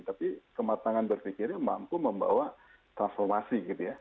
tapi kematangan berpikirnya mampu membawa transformasi gitu ya